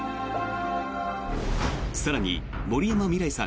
更に、森山未來さん